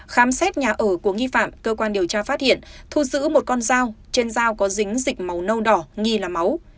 khám xét nhà ở của nghi phạm cơ quan điều tra phát hiện thu giữ một con dao trên dao có dính dịch màu nâu đỏ nghi là máu